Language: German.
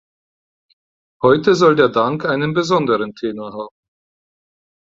Heute soll der Dank einen besonderen Tenor haben.